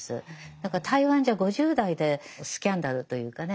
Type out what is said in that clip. だから台湾じゃ５０代でスキャンダルというかね。